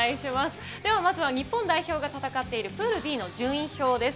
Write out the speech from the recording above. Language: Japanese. まずは日本代表が戦っているプールＤの順位表です。